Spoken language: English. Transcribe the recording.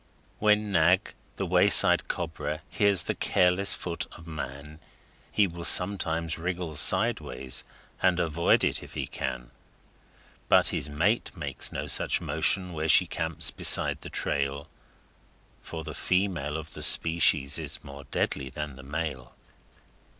When Nag, the wayside cobra, hears the careless foot of man, He will sometimes wriggle sideways and avoid it if he can, But his mate makes no such motion where she camps beside the trail For the female of the species is more deadly than the male.